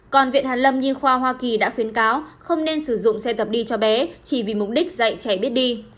còn viện hàn lâm nhi khoa hoa kỳ đã khuyến cáo không nên sử dụng xe tập đi cho bé chỉ vì mục đích dạy trẻ biết đi